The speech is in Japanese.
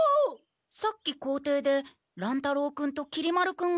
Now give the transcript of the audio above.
さっき校庭で乱太郎君ときり丸君が。